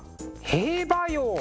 「兵馬俑」！